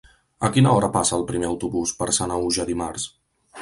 A quina hora passa el primer autobús per Sanaüja dimarts?